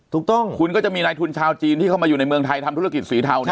ถูกต้องคุณก็จะมีนายทุนชาวจีนที่เข้ามาอยู่ในเมืองไทยทำธุรกิจสีเทานะ